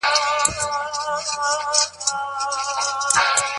ځنګلونه بې ونو نه وي.